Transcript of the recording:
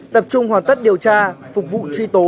tập trung hoàn tất điều tra phục vụ truy tố